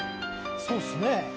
そうですね。